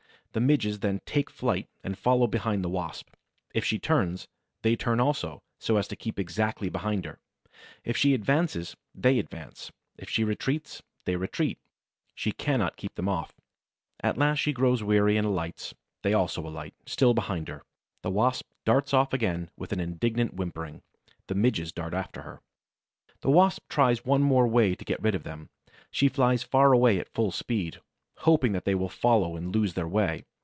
The Midges then take flight and follow behind the Wasp. If she turns, they turn also, so as to keep exactly behind her; if she advances, they advance; if she retreats, they retreat. She cannot keep them off. At last she grows weary and alights; they also alight, still behind her. The Wasp darts off again, with an indignant whimpering; the Midges dart after her. The Wasp tries one more way to get rid of them. She flies far away at full speed, hoping that they will follow and lose their way.